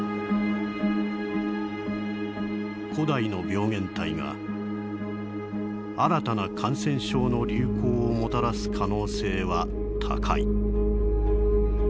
「古代の病原体が新たな感染症の流行をもたらす可能性は高い」。